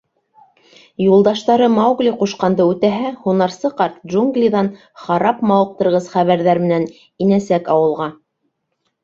Юлдаштары Маугли ҡушҡанды үтәһә, һунарсы ҡарт джунглиҙан харап мауыҡтырғыс хәбәрҙәр менән инәсәк ауылға.